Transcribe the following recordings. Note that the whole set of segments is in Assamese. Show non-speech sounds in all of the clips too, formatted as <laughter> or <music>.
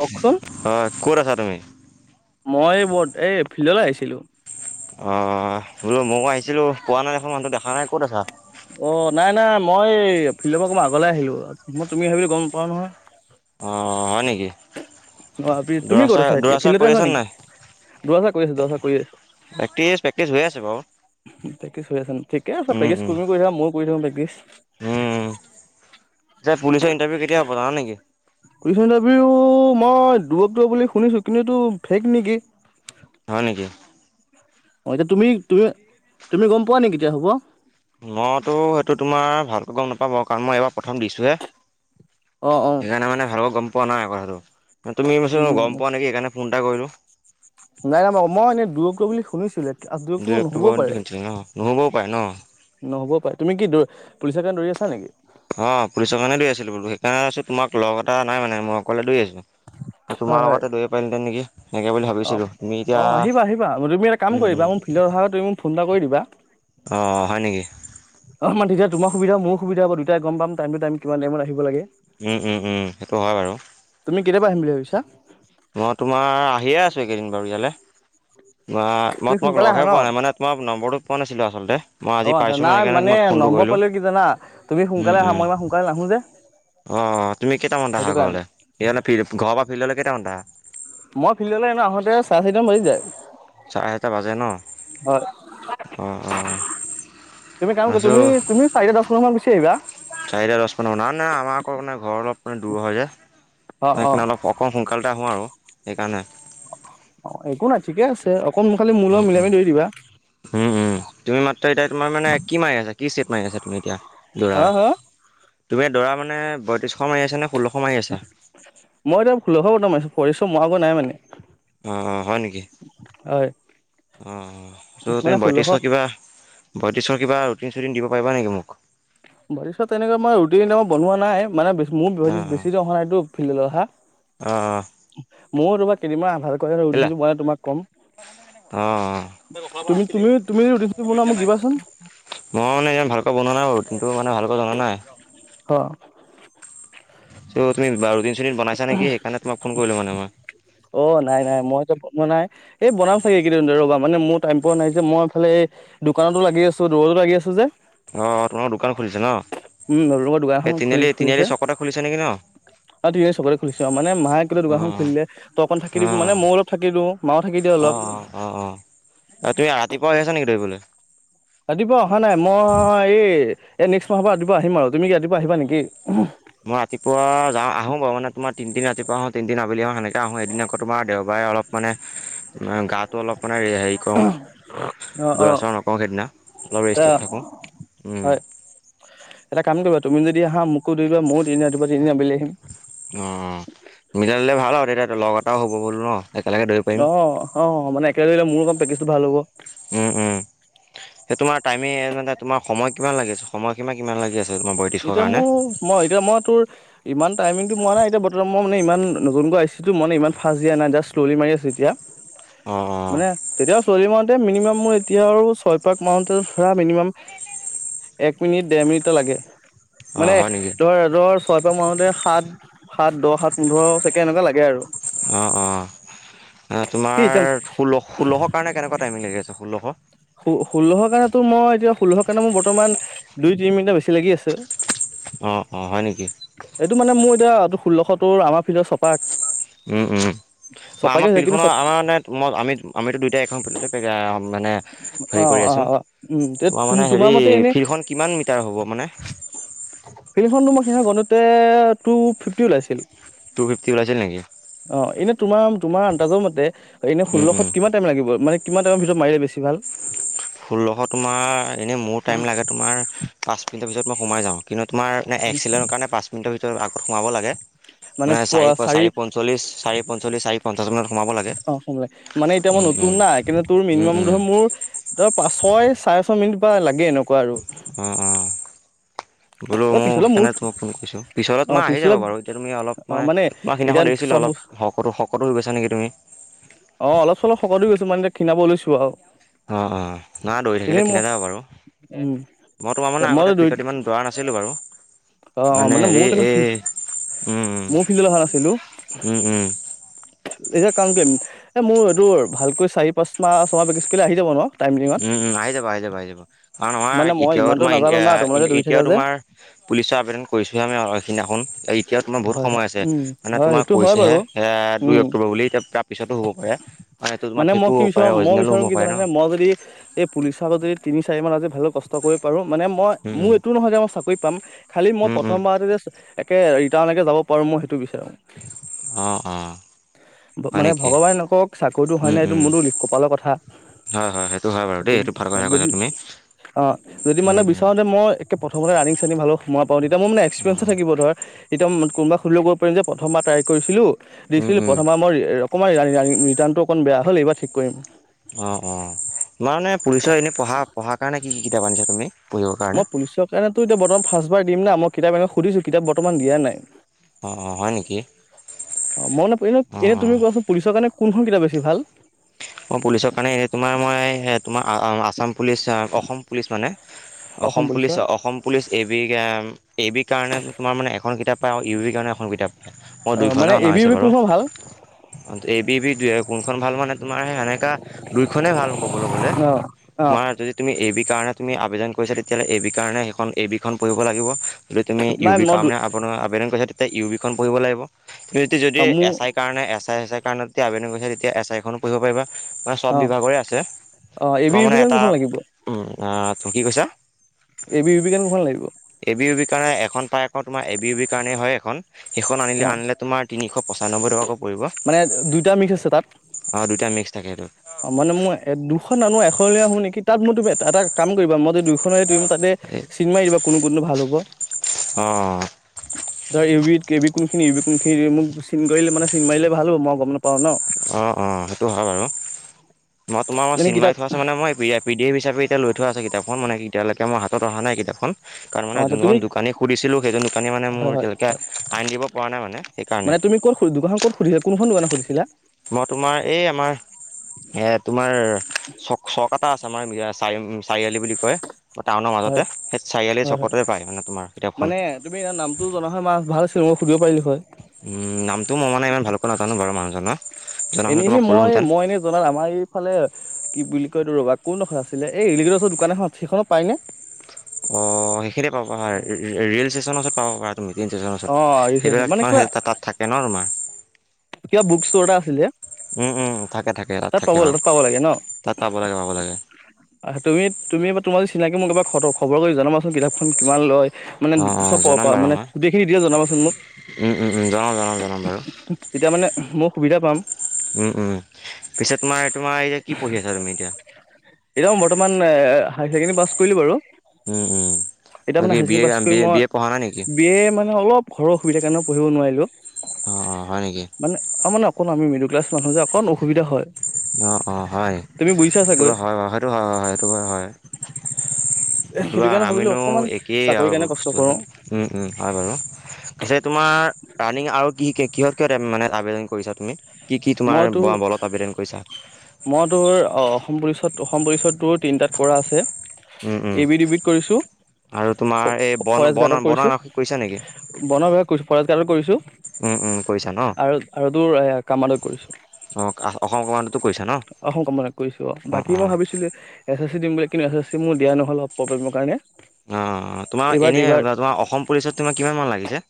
কওকচোন হয় ক'ত আছা তুমি? মই এই বত এই ফিল্ডলৈ আহিছিলোঁ। অ', বোলো ময়ো আহিছিলোঁ পোৱা নাই দেখোন মানুহটো দেখা নাই ক'ত আছা? অ', নাই নাই মই ফিল্ডৰ পৰা অকমান আগলৈ আহিলো, মই তুমি আহিবা বুলি গম নাপাও নহয়। অ', হয় নেকি? অ', তুমি দৌৰা ক'ত চৌৰা আছা এতিয়া, দৌৰা চৌৰা ফিল্ডতে কৰি আছা নেকি, নাই দৰা চৰা কৰি আছোঁ দৰা চৰা কৰি আছোঁ। পেকেজ <unintelligible> প্ৰেক্টিছ হৈ আছে ন ঠিকে আছে, উম, প্ৰেক্টিছ উম, তুমি কৰি থকা ময়ো কৰি থাকো। প্ৰেক্টিছ উম। যে পুলিচৰ ইণ্টাৰভিউ <unintelligible> কেতিয়া হ'ব জানা নেকি মই দূৰত্ব তৰ বুলি শুনিছো, কিন্তু এইটো ফেক নেকি? হয় নেকি। অ' এতিয়া তুমি তুমি তুমি গ'ম পোৱা নেকি কেতিয়া হ'ব। মইতো টো তোমাৰ ভালকৈ গ'ম নাপাওঁ বাৰু। কাৰণ মই এইবাৰ প্ৰথম দিছোহে। অ অ সেইকাৰণে মানে ভালক গ'ম পোৱা নাই কথাটো। তুমি এই বস্তুটো উম গম পোৱা নেকি? সেইকাৰণে ফোন এটা কৰিলো। নাই নাই ম মই এনে দূৰগ বুলি শুনিছিলোঁ দুই <unintelligible> নহবও অক্টোবৰত পাৰে শুনিছিলোঁ ন নহ'বও পাৰে ন নহ'ব পাৰে তুমি কি দ পুলিচ কাৰণে দৌৰি আছা নেকি? অ', পুলিচৰ কাৰণে দৌৰি আছিলো বোলো সেইকাৰণে ভাবিছো তোমাক লগ এটা নাই মানে মই অ'কলে দৌৰি আছিলো, হয় তোমাৰ হয় লগতে দৌৰিব পাৰিলোহেতেন নেকি। এনেকে বুলি অ', ভাবিছিলোঁ তুমি এতিয়া অ', আহিবা আহিবা তুমি এটা কাম উম উম কৰিবা মোৰ ভিলডত অহাৰ আগত তুমি মোক ফোন এটা কৰি দিবা। অ' হয় নেকি? অ' মানে তেতিয়া তোমাৰো সুবিধা, মোৰো সুবিধা হ'ব দুটাই গ'ম পাম টাইমটো টাইম কিমান টাইমত আহিব লাগে। উম উম উম সেইটো হয় বাৰু তুমি কেতিয়াবা আহিম বুলি ভাবিছা। মই তোমাৰ আহিয়ে আছো এইকেইদিন বাৰু ইয়ালৈ। অ' তুমি মই তোমাক সোনকালে আহা লগহে ন পোৱা নাই মানে তোমাৰ নম্বৰটো পোৱা নাছিলো, আচলতে। মই আজি অ', পাইছোঁ, মই নাই মানে সেইকাৰণে মই ফোনটো নম্বৰ কৰিলোঁউম, পালে কি জানা তুমি সোনকালে আহা মই ইমান সোনকালে নাহো যে উম। অ' তুমি কেইটামান সেইটো আহা কাৰণে ঘৰলে ইহ ফ্লি ঘৰৰ পৰা ফিল্ডলৈ কেইটামান আহা। মই ফিল্ডলৈ এনো আহোতে চাৰে চাৰিটাম বাজি যায়। চাৰে এটা বাজে ন হয় অ' অ'। তুমি কাম কৰ তুমি তুমি চাৰিটা দহ পোন্ধৰ মান গুচি আহিবা। চাৰিটা দহ পোন্ধৰ মান ন নে আমাৰ আকৌ মানে ঘৰ অলপ মানে দূৰ হয় যে। অ', অ', সেইকাৰণে অলপ অকণমান সোনকাল আহোঁ আৰু সেইকাৰণে। অ' একো নাই ঠিকে আছে, অকণ খালি মোৰ উম লগত উম মিলাই দৌৰি দিবা। উম, উম, তুমি মাত্ৰ এতিয়া তোমাৰ মানে কি মাৰি আছ কি চেট মাৰি আছা তুমি এতিয়া। দৰা হা হা তুমি দৰা মানে বয়ত্ৰিশশ মাৰি আছা নে। মই ষোল্লশ এতিয়া মাৰি আছা ষোল্লস বৰ্তমান মাৰি আছো, বৰত্ৰিচ্ছশ মৰাগে নাই মানে। অ' অ' হয় নেকি। হয় অ' ত মানে ষোল্লশ বয়ত্ৰিচ্ছশৰ কিবা বয়ত্ৰিচ্ছশৰ কিবা ৰুটিন চুটিন দিব। পাৰিবা নেকি মোক। বৰত্ৰিচ্ছশ তেনেকা মই ৰুটিন এতিয়া মই বনোৱা নাই মানে বে। মোৰ অ বেছি অহা নাইতো ফ্লিডলৈ অহা অ মই তোমাৰ কেইদিনমান আধাৰ ক, কেলা উঠিছো মই তোমাক কম। অ তুমি তুমিও তুমি ৰোটনটো বনোৱা মোক দিবাচোন। মই মানে ইমান ভালকৈ বনোৱা নাই। বাৰু কিন্তু মানে ভালকৈ জনা নাই। অ' ত' তুমি কিবা ৰুটিন চোটিন বনাইছা নেকি, সেইকাৰণে তোম ফোন কৰিলো মানে মই। অ' নাই নাই মইত বনোৱা নাই এই বনাম চাগে এই কেইদিন ৰবা মানে মোৰ টাইম পোৱা নাই যে মইফালে এই। দোকানতো লাগি আছো, দৌৰৰতো লাগি আছো যে। অ' তোমাৰ দোকান খুলিছে ন উম, নতুন কৈ দোকান এই খন তিনিআলি তিনিআলি খুলিছে। চকতে খুলিছে নেকি ন অ অ' তুমি চবৰে খুলিছো আৰু মানে মায়ে কিন্ত দোকানখন খুলিলে ত অকণ থাকি দি অ মানে মই অলপ থাকি দিওঁ। মাও থাকি দিয়ে অ' অলপ। অ' অ' অ' তুমি ৰাতিপুৱা আহি আছা নেকি দৌৰিবলৈ। ৰাতিপুৱা অহা নাই মই এই এই নেক্সট মাহৰ পৰা ৰাতিপুৱা আহিম আৰু তুমি ৰাতিপুৱা আহিবা নেকি? মই ৰাতিপুৱা যা আহো বাৰু মানে তোমাৰ তিনদিন ৰাতিপুৱা আহো তিনদিন আবেলি আহো। আহোঁ এদিন আকৌ তোমাৰ দেওবাৰে অলপ মানে গাটো অলপ মানে হেৰি কৰোঁ। অ দৌৰাচৰা নকৰওঁ সেইদিনা অলপ অ। ৰেষ্টত অ থাকোঁ। হয় এটা কাম কৰিবা তুমি যদি আহা, মোকো দিবা ময়ো তিনি দিন আবেলি আহিম। অ' মিলাই দিলে ভাল আৰু তেতিয়া তোৰ লগ এটাও হ'ব বোলো ন। একেলগে দৌৰিব পাৰিম অ' অ' মানে একেলগে মোৰো প্ৰেকটিছটো ভাল হ'ব। উম, উম, সেই তোমাৰ টাইমে মানে তোমাৰ সময় কিমান লাগি আছে, সময়সীমা কিমান লাগি আছে? তোমাৰ বয়ত্ৰিছৰ এতিয়া কাৰণে মোৰ মই এতিয়া মই তোৰ ইমান টাইমিংটো মোৱা নাই এতিয়া বৰ্তমান মোৰ ইমান এই ফাষ্ট দিয়া নাই জাষ্ট মাৰি আছো এতিয়া অঁ অঁ মানে <unintelligible> চলি মতে মিনিমাম মোৰ এতিয়া আৰু ছয় পাক মাৰোতে ধৰা মিনিমাম এক মিনিট দেৰ মিনিট লাগে অঁ মানে হয় নেকি ধৰ ধৰ ছয়পাক মাৰোতে সাত সাত দহ সাত পোন্ধৰ ছেকেণ্ড এটা লাগে আৰু। অহ' অ'। কি একদম তোমাৰ ষোল্ল ষোল্লশৰ কাৰণে কেনেকুৱা টাইমিং লাগি আছে ষোল্লশ? ষোল্লশৰ কাৰণে মই এতিয়া ষোল্লশৰ কাৰণে মোৰ বৰ্তমান দুই তিনি মিনিটৰ বেছি লাগি আছে। অ'অ' হয় নেকি? এইটো মানে মোৰ এতিয়াটো ষোল্লশ তোৰ আমাৰ ফিল্ডত চপাক উম, উম, বা চপাকে আমাৰ হৈছে ফিল্ড কিন্তু খনৰ চপ আমাৰ মানে আমি আমিতো টু <unintelligible> অ'অ'অ'উম, এ তু মানে হেৰি তোমাৰ মতে এনে ফিল্ডখন কিমান মিটাৰ হ'ব মানে <unintelligible> মই সিদিনা খন গনোটে টু ফিফটি ওলাইছিল। টু ফিফটি ওলাইচিল নেকি? অ এনে তোমাৰ, তোমাৰ আন্দাজৰ মতে এনেই উম উম ষোল্লশত কিমান টাইম লাগিব, মানে কিমান টাইমৰ ভিতৰত মাৰিলে বেছি ভাল? ষোল্লশ তোমাৰ এনেই মোৰ টাইম লাগে তোমাৰ পাঁচ মিনিটৰ পিছত মই সোমাই যাওঁ। কিন্তু তোমাৰ এক্সিলেন কাৰণে পাঁচ মিনিটৰ ভিতৰত আগত সোমাব লাগে। মানে চাৰি চাৰি পঞ্চলিশ, চাৰি পঞ্চলিশ, চাৰি পশ অ' <unintelligible> মানে এতিয়া মই উম নতুন উম নাই কিন্ত তোৰ উম মিনিমাম উম ধ মোৰ তাৰ পাঁচ ছয় চাৰে ছয় মিনিট বা লাগে এনেকুৱা আৰু। অঁ অঁ বোলো এ মোৰ পিছলে সেইকাৰণে তোমাক ফোন কৰিছো, পিছলে অ তোমাৰ আহি পিছলে যাব বাৰু এতিয়া তুমি অ অলপ মান মানে তোমাৰ এতিয়া সিদিনাখন দেখিছিলো চব অলপ শকতো, শকতো হৈ গাইছা নেকি তুমি? অ' অলপ চলপ শকত গৈছো মানে এতিয়া শিনাব লৈছো আৰু। অ' অ' না দৌৰি থাকিলে এনেই কিনে মই যাবা বাৰু। উম মই তোমাৰ মানে মই আগতে দুই ফিল্ডত ইমান দৌৰা নাই আছিল বাৰু, অ মানে হেৰি ময়ো তেনেকুৱা এই ফিল্ড উম, ময়ো ফিল্ডলৈ অহা নাছিলো উম, উম, উম। এতিয়া কাম কৰিম এই মোৰ এইটো ভালকৈ চাৰি পাঁচমাহ ছমাহ পেক্ট্ৰিজ কৰিলে আহি যাব ন? টাইমিঙত উম, উম, আহি যাব-আহি যাব-আহি যাব কাৰণ আমাৰ মানে মই এতিয়াও ইমানটো তোমাৰ নাজানো না তোমালোকে দৌৰি এতিয়াও থাকা যে তোমাৰ পুলিচৰ আবেদন কৰিছোঁহে আমি এই খিদিনাখন এতিয়াও তোমাৰ বহুত হয় হয় সময় আছে উম মানে হয় তোমাক সেইটো হয় কৈছেহে বাৰু স দুই উম অক্টোবৰ বুলি এতিয়া তাৰ পিছতো হ'ব পাৰে। হেইটো তোমাৰ মানে মই ফেকো কি হ'ব বিচাৰো পাৰে মই অৰিজিনেলো বিচাৰো হ'ব কি পাৰে ন! জানানে মই যদি এই পুলিৰ আগত যদি তিনি চাৰি মান আজি ভালকে কষ্ট কৰিব পাৰো মানে মই মোৰ এইটো নহয় যে মই চাকৰি পাম খালী মই প্ৰথমবাৰতে যে একে ৰিটাৰ্ণলৈকে যাব পাৰোঁ মই সেইটো বিচাৰোঁ। অ', অ'। মানে ভগৱানে নকওক চাকৰিতটো হয় উম, নাই উম, এই মোৰো লি কপালৰ কথা হয় হয় সেইটো হয় বাৰু দেই এইটো ভাল কথা কৈছা যদি তুমি। অ', যদি মানে বিচাৰোতে মই একে প্ৰথমতে ৰানি ভালো পাওঁ তেতিয়া মানে একসপিৰিয়ঞ্চে থাকিব ধৰা এতিয়া কোনোবাৱে সোধিলেও কব পাৰিম যে প্ৰথম বা ট্ৰাই কৰিছিলো অঁ দিছিল অঁ প্ৰথম বা মই অকণমান ৰিটাণটো অকণ বেয়া হ'ল এইবাৰ ঠিক কৰিম। অ', অ', তোমাৰ মানে পুলিচৰ এনেই পঢ়া পঢ়াৰ কাৰণে কি কি কিতাপ আনিছা তুমি? পঢ়িবৰ কাৰণে মই পুলিচৰ কাৰণেতো এতিয়া বৰ্তমান ফাৰ্ষবাৰ দিম না মই কিতাপ এনেই সুধিছোঁ কিতাপ বৰ্তমান দিয়া নাই। অ', অ', হয় নেকি? অ', মই অলপ এনে অঁ এনে তুমি অঁ কোৱাছোন পুলিচৰ কাৰণে কোনখন কিতাপ বেছি ভাল? মই পুলিচৰ কাৰণে এই তোমাৰ মই তোমাৰ আ আচাম পুলিচ অসম পুলিচ মানে Assam police Assam police A B A বিৰ কাৰণে তোমাৰ মানে এখন কিতাপ পায় আৰু ইউ বি কাৰণে এখন কিতাপ পায় মই অ' দুইখনে মানে অনা এ বি ইউ হৈছে বি বাৰু। কোনখন ভাল এবিবি <unintelligible> কোনখন ভাল মানে তোমাৰ হে এনেকা দুইখনেই ভাল ক'বলৈ গ'লে অ' অ' তোমাৰ যদি তুমি এবি কাৰণে তুমি আবেদন কৰিছা তেতিয়াহ'লে এ বি কাৰণে সেইখন এ বি খন পঢ়িব লাগিব যদি তুমি ইউ নাই বি মই কাৰণে আ আবেদন কৰিছা তেতিয়া ইউ বি খন পঢ়িব লাগিব। দুইটো যদি মোৰ এছ আই কাৰণে এছ আই এছ আই কাৰণে আবেদন কৰিছা তেতিয়া এছ আইখনো পঢ়িব পাৰিবা। অ', চব বিভাগৰে আছে, অ' এ বি তোমাৰ ইউ বি মানে কাৰণে এটা কোনখন লাগিব উম বা ত' কি কৈছা? এ বি বিবি কাৰণে কোন খন লাগিব? এ বি বিপি কাৰণে এখন পাই আক তোমাৰ এ বি ইউ বিৰ কাৰণ হয় এখন সেইখন আনিলে অ' আনিলে তোমাৰ তিনিশ পঁচানব্বৈ টকাকৈ পৰিব মানে দুইটা মিক্স আছে তাত অ দুটা মিক্স থাকে সেইটো অ মানে মই এ দুখন নানো এখনই আনো নেকি তাত মই তুমি এটা কাম কৰিবা মই যদি দুইখনে তুমি তাতে চিন মাৰি দিবা কোনটো কোনটো ভাল হ'ব। অঁ ধৰা উউ বিত কে বি কোনখিনি উবি কোনখিনি দিয়ে মোক চিন কৰিলে মানে চিন মাৰিলে ভাল হব মই গম নাপাওঁ ন। অ', অ', সেইটো হয় বাৰু, মই তোমাৰ মই মানে চিনমাৰি কিতাপ থোৱা আছো মানে মই পি দি এফ হিচাপে তিয়া লৈ থোৱা আছে কিতাপখন, মানে এতিয়ালৈকে মই হাতত অহ নাই কিতাপখন। কাৰণ অ মানে আচ্ছা যোনখন তুমি দোকানীক সুধছিলো, সেইজন দোকানীয়ে মানে মোৰ হয় হয় এতিয়ালৈকে হয় আনি দিব পৰা নাই মানে সেইকাৰণে। মানে তুমি ক'ত দোকানখন ক'ত সুধছিলা? কোনখন দোকানত সুধিছিলা? মই তোমাৰ এই আমাৰ এ তোমাৰ চ চক এটা আছ আমাৰ মিৰা চাৰিআম চাৰিআলি বুলি কয়। টাউনৰ হয় মাজতে, সেই চাৰিআলি হয় হয় চকতে পায় মানে তোমাৰ মানে কিতাপখন। তুমি নামটো জনা হয় মই ভাল আছিল মই সুধিব পাৰিলো হয়। উম, নামটো মই মানে ইমান ভালকৈ নাজানো বাৰু মানুহজনৰ। জনা এনে হ'লে এনেই তোমাক মই, ক'লোহেঁতেন মই এনে জনাত আমাৰ এইফালে কি বুলি কয় এইটো ৰ'বা, কোনডোখৰ আছিলে এই ৰেলি গেটৰ ওচৰত দোকান এখনত সেইখনত পাইনে? অঁ সেইখিনিয়ে পাবা ৰে'ল ষ্টেচনৰ ওচৰত পাব পাৰা তুমি, টেইন ষ্টেনৰ অ ওচৰত, ৰিচেপচনত সেইবিলাক মানে তাৰ কিবা তাত থাকে ন তোমাৰ। কিবা বুক ষ্ট'ৰ এটা আছিল যে? উম, উম, থাকে, থাকে তাত থাকে বাৰু, পাব লাগে ন তাত পাব লাগে, পাব লাগে। তুমি তুমি এবাৰ তোমাৰ যদি চিনাকি মোক এবাৰ খব খবৰ কৰি জনাবাচোন কিতাপখন কিমান লয়। মানে অঁ অঁ চব প জনাম পৰা বাৰু মানে মই গোটেইখিনি এতিয়া জনাবাচোন মোক। উম, উম, উম জনাম, জনাম, জনাম বাৰু। তিয়া মানে মও সুবিধা পাম। উম, উম পিছত তোমাৰ, তোমাৰ এই যে কি পঢ়ি আছা তুমি এতিয়া? উম, এ হায়াৰ ছেকেণ্ডাৰী পাছ কৰিলো বাৰু। উম উম এতিয়া মানে বাকী higher B A secondary pass কৰি বি এ মই বি এ পঢ়া নাই নেকি বি এ মানে অলপ ঘৰৰ অসুবিধা কাৰণে পঢ়িব নোৱাৰিলোঁ। অ', অ', হয় নেকি? কণ আমি মিডল ক্লাছ মানুহ যে অকণ অসুবিধা হয়। অ', অ', হয় তুমি বুজিছা সেইটো চাগৈ বাউ হয় বাউ, সেইটো হয়, হয়, হয় সেইটো হয়। তুবা সেইটো কাৰণে ভাবিলোঁ আমিনো অকণমান একেই চাকৰি আৰু কাৰণে কষ্ট কৰোঁ বস্তুবিলাক, উম, উম হয় বাৰু। পিছে তোমাৰ ৰানিং আৰু কি কিহত কিহত মানে আবেদন কৰিছা? তুমি, কি কি তোমাৰ মই তোৰ বলত আবেদন কৰিছা? মই তোৰ অসম পুলিচত, অসম পুলিচতো তিনিটাত কৰা আছে, উম উম এ বি ডি বি ত কৰিছোঁ। আৰু তোমাৰ এই বন ফ-ফৰেষ্ট বন গাৰ্ডত বন কৰিছোঁ, কৰিছা নেকি বনৰ বিভাগত কৰিছোঁ, ফৰেষ্ট গাৰ্ডত কৰিছোঁ। উম উম কৰিছা ন আৰু, আৰু তোৰ এ কৰিছোঁ অ অসম কমাণ্ডোটো কৰিছা ন <unintelligible> কৰিছো অ বাকী মই ভাবিছিলো এছ এছ- দিম বুলি, কিন্তু এছ এছ চি মোৰ দিয়া নহ'ল অলপ প্ৰব্লেমৰ কাৰণে। অ', অ', তোমাৰ এইবাৰ এনে এইবাৰ তোমাৰ অসম পুলিচত তোমাৰ কিমান মান লাগিছে?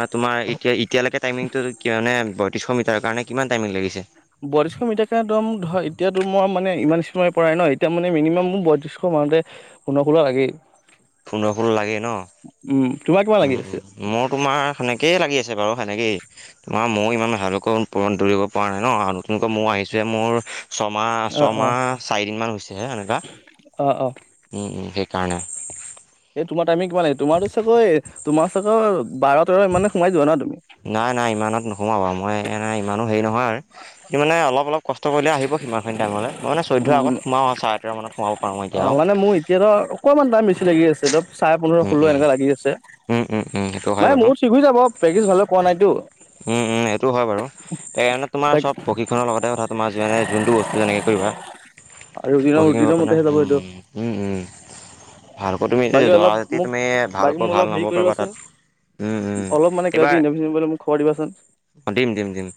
আ তোমাৰ এতিয়া এতিয়ালৈকে টাইমিঙটো কি মানে পয়ত্ৰিছশ মিটাৰৰ কাৰণে কিমান টাইমিং লাগিছে? বয়ত্ৰিছশ মিটাৰ কাৰণে দম ধৰ এতিয়াাতো মই মানে ইমান স্পীড মাৰিব পৰাই ন এতিয়া মানে মিনিমাম মোৰ বত্ৰিশ পাওঁতে পোন্ধৰ ষোল্ল লাগেই। পোন্ধৰ ষোল্ল লাগেই ন'। উম তোমাৰ কিমান উম লাগি উ, আছে মোৰ তোমাৰ সেনেকেই লাগি আছে বাৰু সেনেকেই, তোমাৰ ময়ো ইমান ভালকৈ পূৰণ দৌৰিব পৰা নাই ন'। যেনেকা মই আহিছোহে, মোৰ ছমাহ অ অ ছমাহ চাৰিদিন মান হৈছেহে এনেকুৱা অ অ উম উম সেইকাৰণে। এই তোমাৰ টাইমিং কিমান লাগে, তোমাৰতো চাগৈ তোমাৰ চাগৈ বাৰ তেৰ ইমানে সোমাই যোৱা ন' তুমি। নাই নাই ইমানত নোসোমাও বাৰু, মই এ নাই ইমানো হেৰি নহয় আৰু সি মানে অলপ অলপ কষ্ট কৰিলে আহিব সিমানখিনি টাইমলৈ, মই মানে চধ্য আগ উম সোমাওঁ আৰু চাৰে তেৰ মানত। সোমাব পাৰোঁ মই এতিয়া অ আৰু মানে মোৰ এতিয়াত অকণমান টাইাম বেছি লাগি আছে, চাৰে পোন্ধৰ উম ষোল্ল উম এনেকুৱা লাগি আছে। উম, উম, উম সেইটো হয় মানে বাৰু। মোৰ ঠিক হৈ যাব প্ৰেক্টিচ ভালদৰে কৰা নাইতো উম, উম এইটো হয় বাৰু পেৰেনত তোমাৰ তাক চব প্ৰশিক্ষনৰৰ লগতে কথা তোমাৰ যিমানে যোনটো বস্তু যেনেকে কৰিবা। ৰুটিনৰ কহিম ৰুটিনৰ ৰকনা, মতেহে যাব উম, এইটো উম, উম। ভালকৈ তুমি বাকী এ দৰা অলপ তি মোক তুমি বাকী মোক ভালকৈ অলপ ভাল হেৰি নম্বৰ পাবা কৰিবাচোন তাত। উম উম অলপ মানে কিবা এইবাৰ কিবি ইণ্টাৰভি চিণ্টাৰভিউ পালে মোক খবৰ দিবাচোন। দিম দিম দিম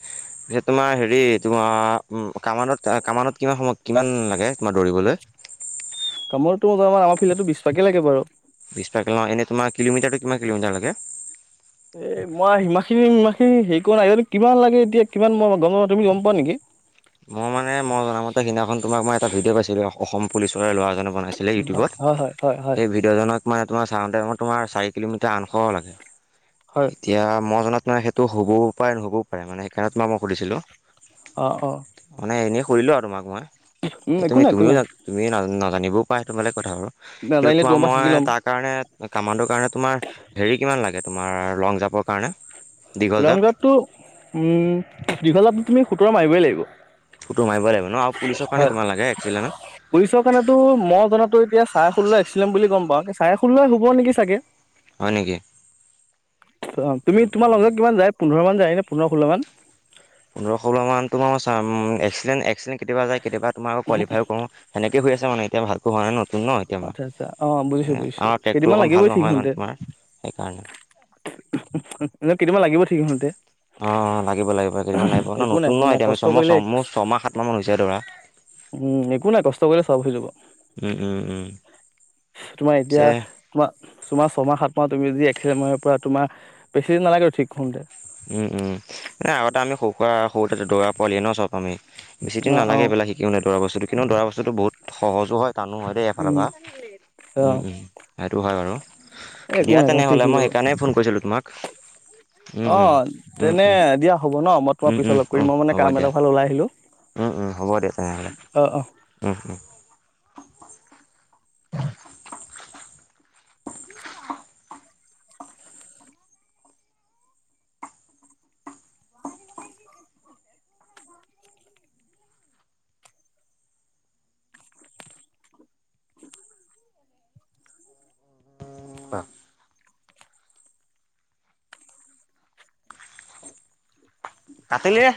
পিছত তোমাৰ হেৰি তোমাৰ কামানত কামাণ্ডত কিমান সময় কিমান লাগে তোমাৰ দৌৰিবলৈ কামোৰটো তাৰ আমাৰ ফিল্ডতো বিশ পাকে লাগে বাৰু। বিশ পাক ন', এনে তোমাৰ কিলোমিটাৰটো কিমান কিলোমিটাৰ লাগে? এ মই সিমাখিনি সিমানখিনি হেৰি কৰা নাই কিমান লাগে, এতিয়া কিমান মই গম পাওঁ তুমি গম পোৱা নেকি? মই মানে মই জনামতে সেইদিনাখন তোমাক মই এটা ভিডিঅ'পাইছিলো, অসম পুলিচৰে ল'ৰা তেনেকুৱা পাইছিলো হয় ইউটিউবত হয় হয় হয় হয় সেই ভিডিঅ' তোত তোমাৰ ছাৰজনৰ তোমাৰ চাৰি কিলোমিটাৰ আঠশ লাগে, হয় এতিয়া মই জনাত সেইটো হ'বও পাৰে নহ'বও পাৰে মানে, সেইকাৰণত তোমাক মই সুধিছিলো। অ', অ'। মানে এনেই সুধিলোঁ আৰু তোমাক মই, উম এই একো তুমি নাই একো তুমিও নাই তুমিও নাজানা ন'। জানিবও পৰা সেইটো বেলেগ কথা বাৰু। কিন্তু নাজানিলে তোমাৰ পৰা মই শিকি ল'ম তাৰ কাৰণে কামান্ডৰ কাৰণে তোমাৰ হেৰি কিমান লাগে? তোমাৰ লং জাপৰ কাৰণে। দীঘল লং জাম্প জাম্পতো, উম দীঘল তুমি সোঁতৰ মাৰিবই লাগিব। সোঁতৰ মাৰিব লাগিব ন', আৰু পুলিচৰ কাৰণে কিমান লাগে এক্সেলেন্ত? পুলিশৰ কাৰণেতো মই জনাতো এতিয়া চাৰে সোল্ল এস্কেলেন্ত বুলি গম পাওঁ চাৰে সোল্লই হ'ব নেকি চাগে? হয় নেকি। অ', তুমি উম তোমাৰ উম। লগত কিমান যায় পোন্ধৰ মান যায় নে, পোন্ধৰ ষোল্ল মান পোন্ধৰ ষোল্ল মান তোমাৰ উ, এস্কেলেন্ত এস্কেলেন্ত কেতিয়াবা যায় কেতিয়াবা তোমাৰ কোৱোলিফাইও কৰোঁ। সেনেকে হৈ আছে এতিয়াও ভালকে হোৱা নাই ন'। ন এতিয়া মই, আচ্ছা আচ্ছা অ বুজিছো আমাৰ বুজিছো আমাৰ ট্ৰেকটো কেইদিনমান অকণ লাগিবই ভাল ঠিক নহয় হওঁতে মানে তোমাৰ সেইকাৰণে <unintelligible> এনে কেইদিনান লাগিব ঠিক হতে অ', লাগিব লাগিব কেইদিনমান লাগিব ন' একো নাই নতুন একো ন' নাই এতিয়া আমি কষ্ট ছমাহ কৰিলে ছম ছমাহ সাত মাহ মান হৈছে ধৰা। উম একো নাই কষ্ট কৰিলে চব হৈ যাব। উম উম উম তোমাৰ এতিয়া পিছে তোমাৰ তোমাৰ ছমাহ সাত মাহ তুমি যি মাৰিব পৰা তোমাৰ বেছি দিন নালাগে ঠিক হওঁতে উম উম মানে আগতে আমি সৰুৰা সৰুতে দৌৰা পোৱালিয়ে ন' চব আমি। বেছিদিন অ অ নালাগে এইবিলাক শিকি নাই, দৌৰা বস্তুটো কিন্তু দৌৰা বস্তুটো বহুত সহজো হয় টানো হয় দেই এফালৰ উম পৰা। অ উম উ। সেইটো হয় বাৰু, একো দিয়া নাই একো নাই ঠিক তেনেহ'লে হৈ মই যাব সেইকাৰণেই ফোন কৰিছিলো তোমাক। উম উম অ', উম তেনে উম দিয়া হ'ব ন', মই তোমাক উম পিছত লগ কৰিম, মই মানে কাম এটা ফালে ওলাই আহিলো। উ উ, হ'ব দে তেনেহ'লে, অ অ উ উ। বাৰ <unintelligible> কাতিলি <unintelligible>